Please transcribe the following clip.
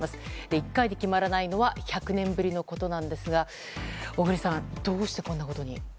１回で決まらないのは１００年ぶりのことなんですが小栗さん、どうしてこんなことに。